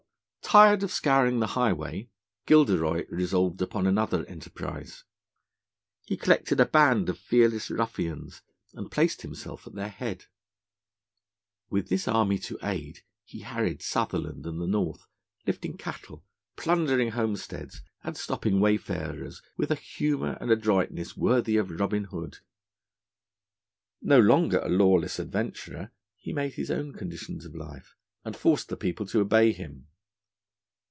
Tired of scouring the highway, Gilderoy resolved upon another enterprise. He collected a band of fearless ruffians, and placed himself at their head. With this army to aid, he harried Sutherland and the North, lifting cattle, plundering homesteads, and stopping wayfarers with a humour and adroitness worthy of Robin Hood. No longer a lawless adventurer, he made his own conditions of life, and forced the people to obey them.